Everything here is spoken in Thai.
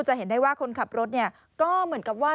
จะเห็นได้ว่าคนขับรถเนี่ยก็เหมือนกับว่า